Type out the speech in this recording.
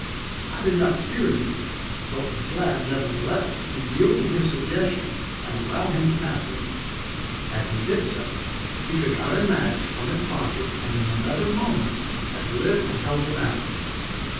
I did not fear these, but was glad, nevertheless, to yield to his suggestion and allow him to pass me. As he did so, he took out a match from his pocket and in another moment had lit and held it out.